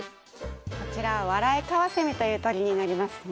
こちらはワライカワセミという鳥になりますね。